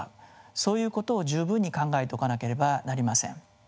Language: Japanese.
そういうことを十分に考えておかなければなりません。